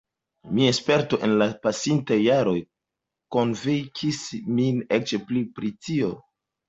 Mia sperto en la pasintaj jaroj konvinkis min eĉ pli pri tio.